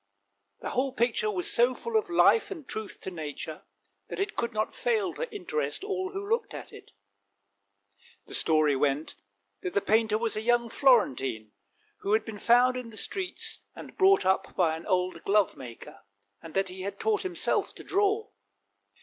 The whole picture was so full of life and truth to nature that it could not fail to interest all who looked at it. The story went that the painter was a young Florentine, who had been found in the streets and brought up by an old glovemaker ; and that he had taught himself to draw.